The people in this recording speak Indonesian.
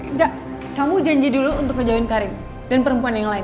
udah kamu janji dulu untuk kejauhin karim dan perempuan yang lain